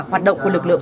hoạt động của lực lượng